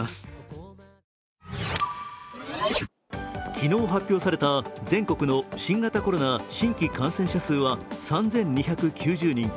昨日発表された全国の新型コロナ新規感染者数は３２９０人。